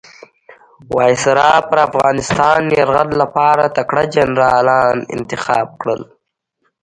وایسرا پر افغانستان یرغل لپاره تکړه جنرالان انتخاب کړل.